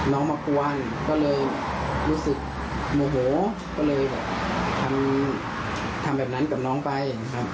น้องมากว้างก็เลยรู้สึกโหมโหก็เลยทำแบบนั้นกับน้องไป